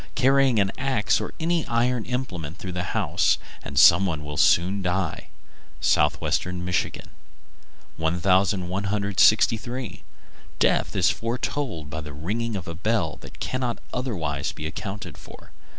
Carry an axe or any iron implement through the house, and some one will soon die. Southwestern Michigan. 1163. Death is foretold by the ringing of a bell that cannot otherwise be accounted for.